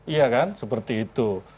iya kan seperti itu